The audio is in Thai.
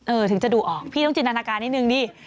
ถึงจะดูออกพี่ต้องจินตนาการนิดนึงดิ